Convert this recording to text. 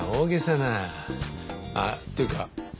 あっっていうか